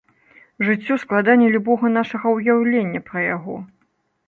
Жыццё складаней любога нашага ўяўлення пра яго.